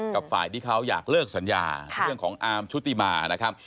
ฝ่ายที่เขาอยากเลิกสัญญาเรื่องของอาร์มชุติมานะครับ